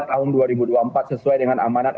tahun dua ribu dua puluh empat sesuai dengan amanat